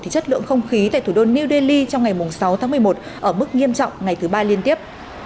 chất lượng không khí tại thủ đô new delhi trong ngày sáu tháng một mươi một ở mức nghiêm trọng ngày thứ ba liên tiếp